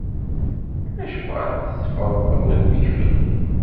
Acuɣer i tteffreḍ udem-ik fell-i?